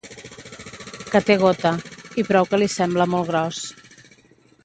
Que té gota, i prou que li sembla molt gros.